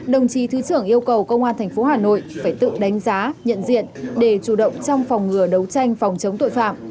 đồng chí thứ trưởng yêu cầu công an tp hà nội phải tự đánh giá nhận diện để chủ động trong phòng ngừa đấu tranh phòng chống tội phạm